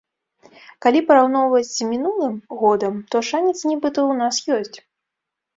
Калі параўноўваць з мінулым годам, то шанец, нібыта, у нас ёсць.